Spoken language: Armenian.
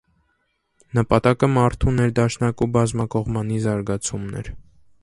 Նպատակը մարդու ներդաշնակ ու բազմակողմանի զարգացումն էր։